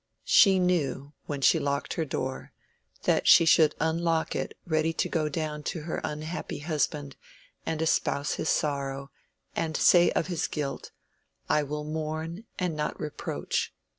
She knew, when she locked her door, that she should unlock it ready to go down to her unhappy husband and espouse his sorrow, and say of his guilt, I will mourn and not reproach.